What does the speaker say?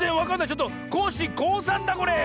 ちょっとコッシーこうさんだこれ！